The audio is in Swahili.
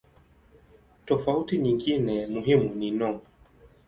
Tofauti nyingine muhimu ni no.